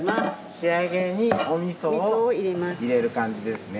仕上げにお味噌を入れる感じですね。